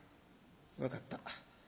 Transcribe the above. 「分かった」。